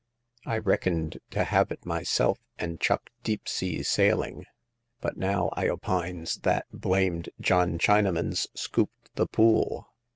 I reckoned to have it myself, and chuck deep sea sailing ; but now I opines that blamed John Chinaman's scooped the pool."